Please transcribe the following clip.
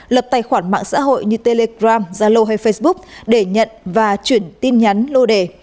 lập tài khoản mạng xã hội như telegram zalo hay facebook để nhận và chuyển tin nhắn lô đề